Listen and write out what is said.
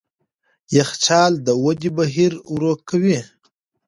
یخچال د ودې بهیر ورو کوي.